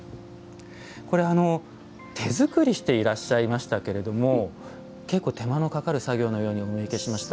これは、手作りしていらっしゃいましたけれども結構手間のかかる作業のようにお見受けしました。